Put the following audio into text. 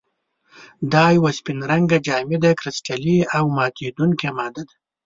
دا یوه سپین رنګې، جامده، کرسټلي او ماتیدونکې ماده ده.